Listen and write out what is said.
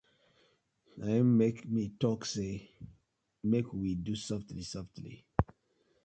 Na im mek we tok say mek we do sofly sofly.